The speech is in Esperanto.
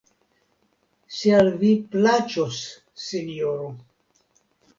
Se al vi plaĉos, Sinjoro.